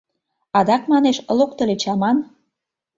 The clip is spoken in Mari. Адак, манеш, локтыльыч аман?..